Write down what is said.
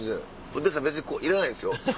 運転手さん別にいらないですよ